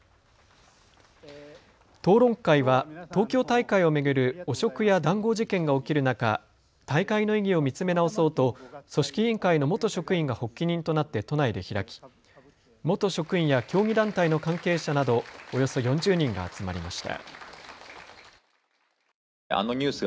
討論会は東京大会を巡る汚職や談合事件が起きる中、大会の意義を見つめ直そうと組織委員会の元職員が発起人となって都内で開き元職員や競技団体の関係者などおよそ４０人が集まりました。